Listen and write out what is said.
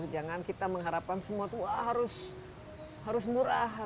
jangan kita mengharapkan semua itu harus murah